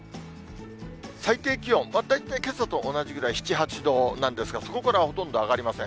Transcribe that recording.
最低気温、大体けさと同じぐらい、７、８度なんですが、そこからはほとんど上がりません。